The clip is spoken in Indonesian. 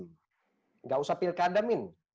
enggak usah pilkadamin